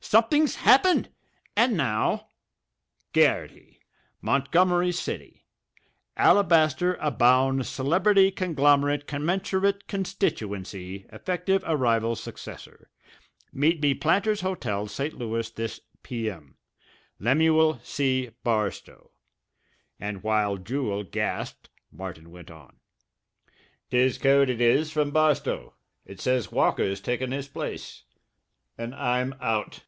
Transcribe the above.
"Somethin's happened. And now: GARRITY, Montgomery City. Alabaster abound celebrity conglomerate commensurate constituency effective arrival successor. Meet me Planters Hotel St. Louis this P.M. LEMUEL C. BARSTOW." And while Jewel gasped Martin went on: "'Tis code it is, from Barstow. It says Walker's taken his place and I'm out."